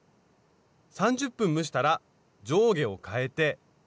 ３０分蒸したら上下をかえて。